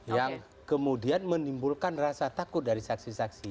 yang kemudian menimbulkan rasa takut dari saksi saksi